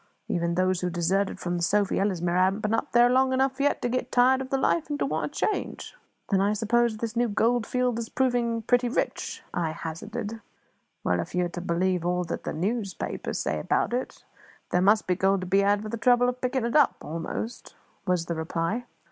Even those who deserted from the Sophie Ellesmere haven't been up there long enough yet to get tired of the life and to want a change." "Then I suppose this new gold field is proving pretty rich?" I hazarded. "Well, if you are to believe all that the newspapers say about it, there must be gold to be had for the trouble of picking it up, almost," was the reply.